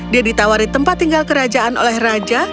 dia ditawari tempat tinggal kerajaan oleh raja